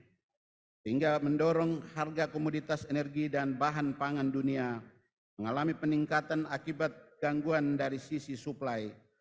sehingga mendorong harga komoditas energi dan bahan pangan dunia mengalami peningkatan akibat gangguan dari sisi suplai